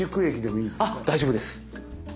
あ大丈夫です。